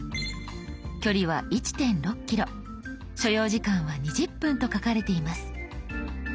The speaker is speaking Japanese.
距離は１．６ｋｍ所要時間は２０分と書かれています。